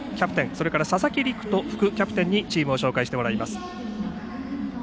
それから佐々木陸仁副キャプテンにチームを紹介してもらいます。